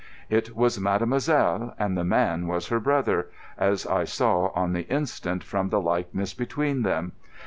It was mademoiselle, and the man was her brother, as I saw on the instant from the likeness between them.